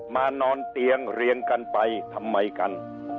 นอนเตียงเรียงกันไปทำไมกัน